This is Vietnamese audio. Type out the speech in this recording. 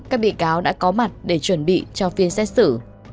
các bị cáo đã có mặt để chuẩn bị cho phiên xét xử